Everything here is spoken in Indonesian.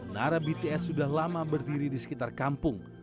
nara bts sudah lama berdiri di sekitar kampung